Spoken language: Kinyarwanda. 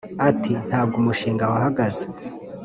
Ati “Ntabwo umushinga wahagaze